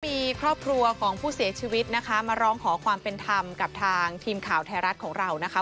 มีครอบครัวของผู้เสียชีวิตนะคะมาร้องขอความเป็นธรรมกับทางทีมข่าวไทยรัฐของเรานะคะ